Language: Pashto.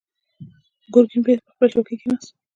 ګرګين بېرته پر خپله څوکۍ کېناست.